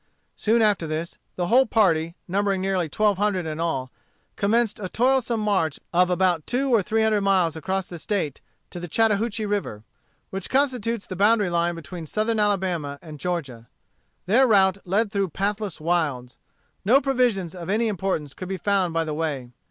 Soon after this, the whole party, numbering nearly twelve hundred in all, commenced a toilsome march of about two or three hundred miles across the State to the Chattahoochee River, which constitutes the boundary line between Southern Alabama and Georgia. Their route led through pathless wilds. No provisions, of any importance, could be found by the way.